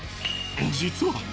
実は。